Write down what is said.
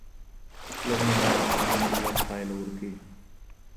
لنډمهاله پلانونه ژر پایله ورکوي.